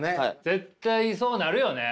絶対そうなるよね！